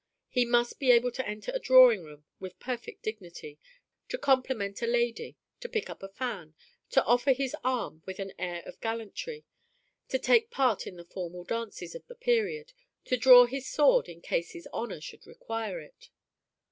He must be able to enter a drawing room with perfect dignity, to compliment a lady, to pick up a fan, to offer his arm with an air of gallantry, to take part in the formal dances of the period, to draw his sword in case his honor should require it.